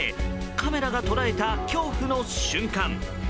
カメラが捉えた恐怖の瞬間。